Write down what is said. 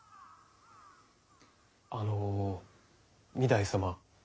あの御台様。